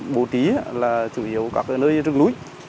bố trí là chủ yếu các nơi rừng núi